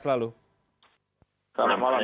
selalu selamat malam